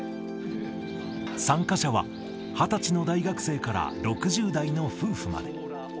参加者は２０歳の大学生から６０代の夫婦まで。